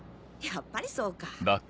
やっぱりそうか。